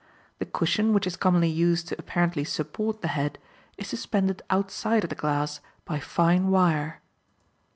The cushion which is commonly used to apparently support the head, is suspended outside of the glass, by fine wire.